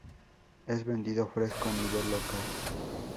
Es vendido fresco a nivel local.